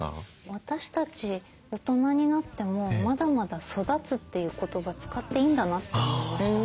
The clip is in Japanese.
私たち大人になってもまだまだ「育つ」という言葉使っていいんだなって思いました。